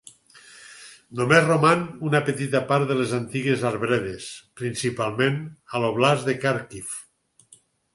Només roman una petita part de les antigues arbredes, principalment a l'óblast de Kharkiv.